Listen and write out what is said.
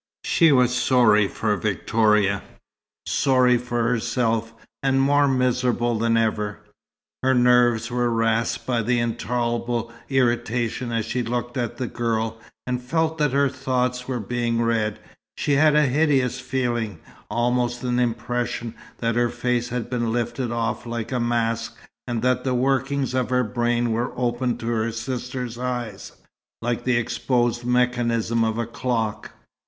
She was sorry for Victoria, sorry for herself, and more miserable than ever. Her nerves were rasped by an intolerable irritation as she looked at the girl, and felt that her thoughts were being read. She had a hideous feeling, almost an impression, that her face had been lifted off like a mask, and that the workings of her brain were open to her sister's eyes, like the exposed mechanism of a clock.